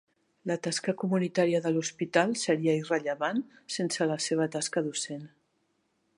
La tasca comunitària de l'hospital seria irrellevant sense la seva tasca docent.